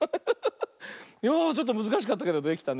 いやあちょっとむずかしかったけどできたね。